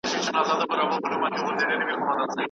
کتابتون د ښوونځي زړه دی.